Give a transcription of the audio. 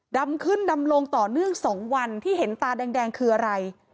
ดำขึ้นดำลงต่อเนื่อง๒วันที่เห็นตาแดงคืออะไร